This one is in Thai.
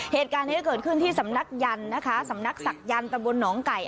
เหตุการณ์นี้เกิดขึ้นที่สำนักยันต์นะคะสำนักศักยันต์ตะบนหนองไก่